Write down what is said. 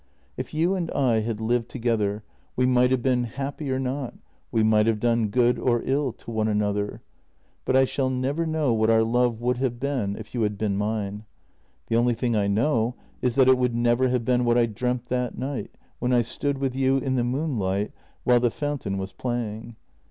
If you and I had lived together we might have been happy or not, we might have done good or ill to one another, but I shall never know what our love would have been if you had been mine. The only thing I know is that it would never have been what I dreamt that night when I stood with you in the moon light while the fountain was playing.